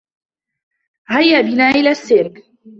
هيّا بنا إلى السّيرك.